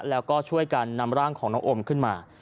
แล้วก็ช่วยกันนำร่างของน้องอมขึ้นมา